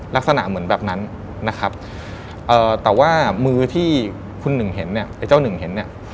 ลักษณะเหมือนแบบนั้นแต่ว่ามือที่เจ้าหนึ่งเห็น